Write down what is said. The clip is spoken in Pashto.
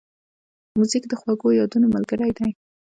موزیک د خوږو یادونو ملګری دی.